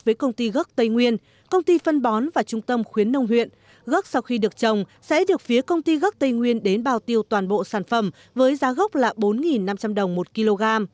với công ty gốc tây nguyên công ty phân bón và trung tâm khuyến nông huyện gốc sau khi được trồng sẽ được phía công ty gốc tây nguyên đến bao tiêu toàn bộ sản phẩm với giá gốc là bốn năm trăm linh đồng một kg